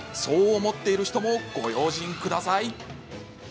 そう思っている人もご用心ください！